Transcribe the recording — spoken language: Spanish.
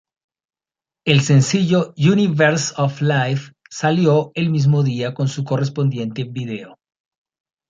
El sencillo "Universe of Life" salió el mismo día con su correspondiente vídeo.